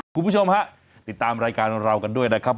คุณผู้ชมฝ่ายติดตามรายการของเรากันด้วย